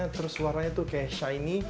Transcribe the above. terus warnanya tuh kayak shiny